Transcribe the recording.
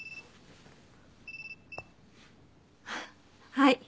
はい。